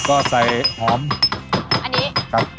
ก็ใส่หอมอันนี้